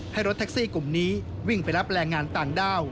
รถแท็กซี่กลุ่มนี้วิ่งไปรับแรงงานต่างด้าว